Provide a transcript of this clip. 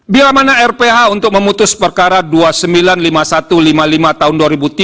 bila mana rph untuk memutus perkara dua puluh sembilan lima puluh satu lima puluh lima tahun dua ribu tiga